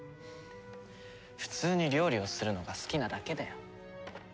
普通に料理をするのが好きなだけだよ。